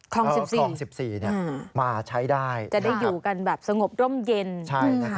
ครอง๑๔เนี่ยมาใช้ได้จะได้อยู่กันแบบสงบร่มเย็นทึ่งหาง